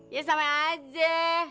ya sama aja